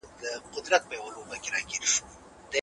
لویه جرګه خپلي وروستۍ او مهمي پرېکړې څنګه کوي؟